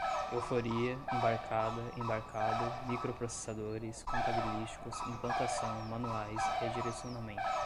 euphoria, embarcada, embarcado, microprocessadores, contabilísticos, implantação, manuais, redirecionamento